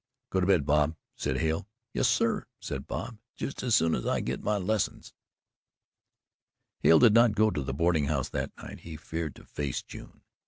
"Go to bed, Bob," said Hale. "Yes, sir," said Bob; "just as soon as I get my lessons." Hale did not go to the boarding house that night he feared to face June.